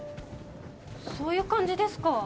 そういう感じですか？